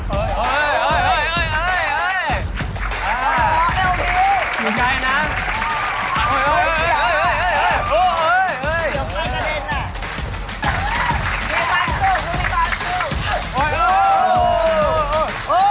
ปริศนามหาสนุกหมายเลข๑ครับ